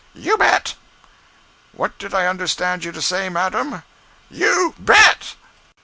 "You bet!" "What did I understand you to say, madam?" "You BET!"